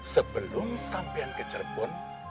sebelum sampian ke cirebon